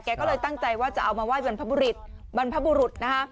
แกก็เลยตั้งใจว่าจะเอามาไหว้บรรพบุรุษนะฮะ